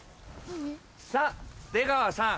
さぁ出川さん